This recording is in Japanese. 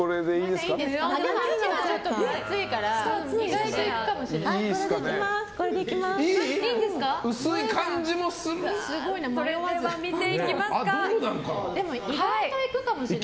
でも、ちょっと分厚いから意外といくかもしれない。